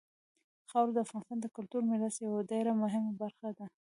خاوره د افغانستان د کلتوري میراث یوه ډېره مهمه برخه ده.